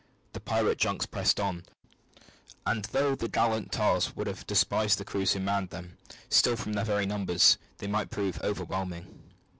The pirate junks pressed on, and though the gallant tars would have despised the crews who manned them, still, from their very numbers, they might prove overwhelming.